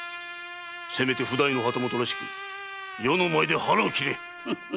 せめて譜代の旗本らしく余の前で腹を切れ！